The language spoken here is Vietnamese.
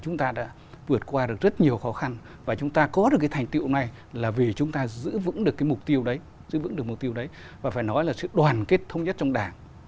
chúng ta đã vượt qua rất nhiều khó khăn và chúng ta có được thành tiệu này là vì chúng ta giữ vững được mục tiêu đấy và phải nói là sự đoàn kết thông nhất trong đảng